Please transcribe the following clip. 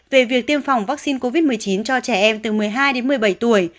về việc tiêm phòng vaccine covid một mươi chín cho trẻ em từ một mươi hai đến một mươi bảy tuổi